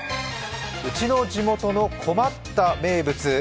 「ウチの地元の“困った”名物」。